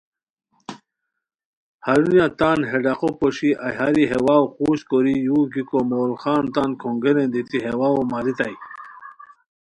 ہرونیہ تان ہے ڈاقو پوشی اہیاری ہے واؤ قوژد کوری یو گیکو مغل خان تان کھونگیرین دیتی ہے واوؤ ماریتائے